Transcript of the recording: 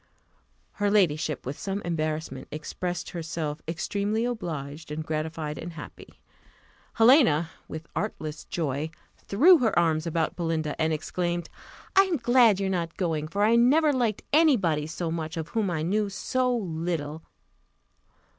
Her ladyship, with some embarrassment, expressed herself "extremely obliged, and gratified, and happy." Helena, with artless joy, threw her arms about Belinda, and exclaimed, "I am glad you are not going; for I never liked any body so much, of whom I knew so little."